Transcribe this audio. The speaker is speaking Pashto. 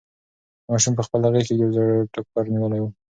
ماشوم په خپله غېږ کې یو زوړ ټوکر نیولی و.